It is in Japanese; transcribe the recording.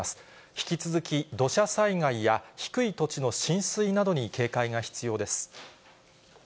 引き続き土砂災害や低い土地の浸水などに警戒が必要です。